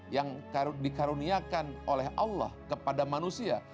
yang dikaruniakan oleh allah kepada manusia